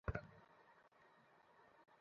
মাটির অনুপাত একদম সুনির্দিষ্ট।